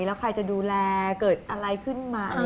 แล้วใครจะดูแลเกิดอะไรขึ้นมา